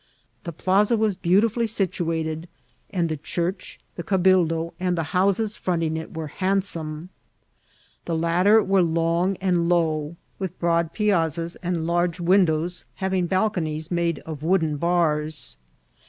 The plaza was beautifully situated, and the church, tha cabildo, and the houses fironting it were handsome. The latter were long and low, with broad piazzas and large windows, having balconies made of wooden bars.